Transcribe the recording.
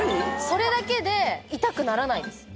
それだけで痛くならないです